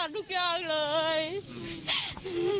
หลังจากนายประดิษฐ์วิ่งไปสัก๓เมตรได้